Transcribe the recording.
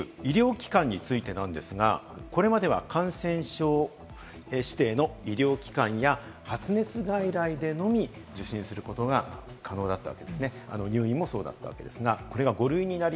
皆さんが受診できる医療機関についてなんですが、これまでは感染症指定の医療機関や発熱外来でのみ受診することが可能だったんですね、２類もそうだったんです。